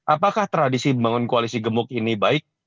apakah tradisi membangun koalisi gemuk ini baik